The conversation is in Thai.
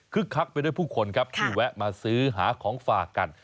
คักไปด้วยผู้คนครับที่แวะมาซื้อหาของฝากกัน